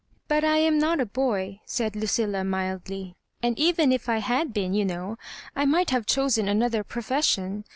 But I am not a boy," said Lucilla, mildly ; "and even if I had been, you know, 1 might have chosen another profession.